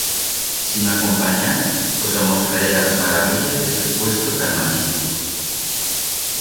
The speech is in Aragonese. Si m'acompanyaz tos amostraré las marabillas d'este puesto tan machico.